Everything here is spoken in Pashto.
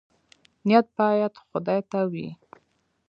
نیت باید خدای ته وي